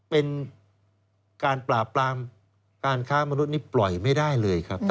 เป็นการปราบปรามการค้ามนุษย์นี่ปล่อยไม่ได้เลยครับ